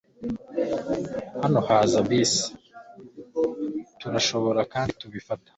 Hano haza bisi. Turashobora kandi kubifata.